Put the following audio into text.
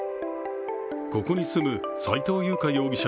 ここに住む斉藤優花容疑者